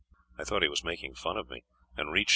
I thought he was making fun of me, and reached M.